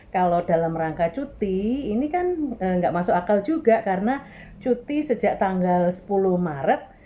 kalau dalam rangka cuti ini kan nggak masuk akal juga karena cuti sejak tanggal sepuluh maret